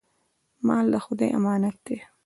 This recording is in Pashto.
مال د خدای امانت دی.